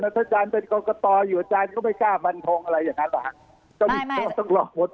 ถ้าอาจารย์เป็นกรกตอยู่อาจารย์ก็ไม่กล้าบันทงอะไรอย่างนั้นเหรอฮะ